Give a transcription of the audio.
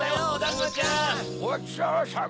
ごちそうさま。